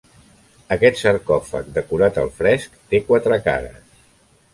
Aquest sarcòfag, decorat al fresc, té quatre cares.